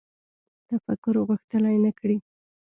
تفکر غښتلی نه کړي